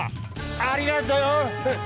ありがとよ！